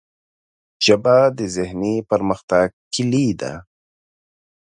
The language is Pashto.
ژبه د ذهني پرمختګ کلۍ ده